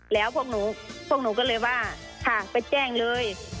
แล้วพวกหนูพวกหนูก็เลยว่าค่ะไปแจ้งเลย